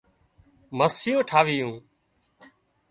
مسيون ٺاهيون